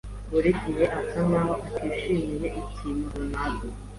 buri gihe asa nkaho atishimiye ikintu runaka.